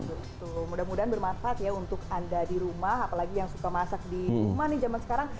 betul betul mudah mudahan bermanfaat ya untuk anda di rumah apalagi yang suka masak di rumah nih zaman sekarang